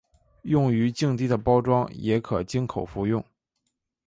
用于静滴的包装也可经口服用。